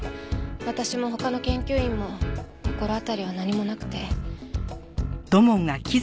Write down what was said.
私も他の研究員も心当たりは何もなくて。